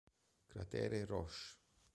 Cratere Roche